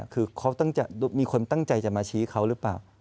คือเขามีคนตั้งใจจะมาชี้เขาหรือเปล่า